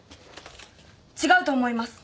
違うと思います。